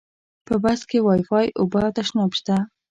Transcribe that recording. په بس کې وایفای، اوبه او تشناب شته.